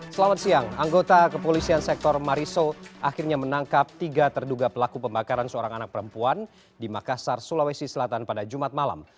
selamat siang anggota kepolisian sektor mariso akhirnya menangkap tiga terduga pelaku pembakaran seorang anak perempuan di makassar sulawesi selatan pada jumat malam